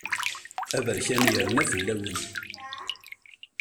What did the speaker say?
Aberkan yerna fell-awen.